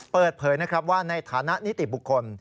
เปิดเผยนะครับว่าในฐานะนิติบุคคล